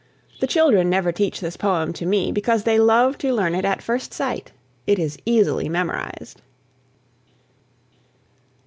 The children never teach this poem to me, because they love to learn it at first sight. It is easily memorised.